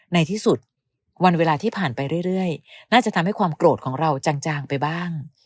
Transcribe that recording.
ในที่สุดวันเวลาที่ผ่านไปเรื่อยน่าจะทำให้ความโกรธของเราจางไปบ้าง